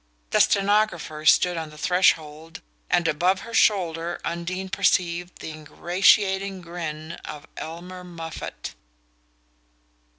The stenographer stood on the threshold, and above her shoulder Undine perceived the ingratiating grin of Elmer Moffatt.